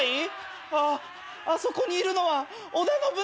あっあそこにいるのは織田信長！？